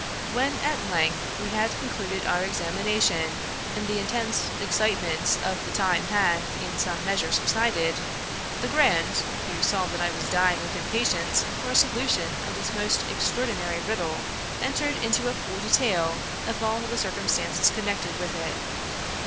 When, at length, we had concluded our examination, and the intense excitement of the time had, in some measure, subsided, Legrand, who saw that I was dying with impa tience for a solution of this most extraordinary riddle, en tered into a full detail of all the circumstances connected with it.